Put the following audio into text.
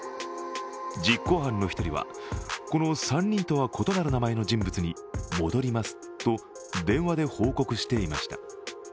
実行犯の１人はこの３人とは異なる名前の人物に「戻ります」と電話で報告していました。